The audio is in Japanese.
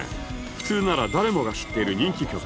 普通なら誰もが知っている人気曲